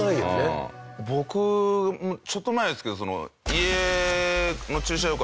僕ちょっと前ですけど。